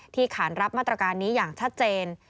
ขานรับมาตรการนี้อย่างชัดเจน